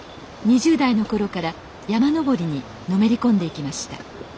２０代の頃から山登りにのめり込んでいきました